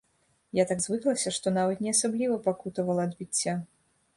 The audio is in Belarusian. Я так звыклася, што нават не асабліва пакутавала ад біцця.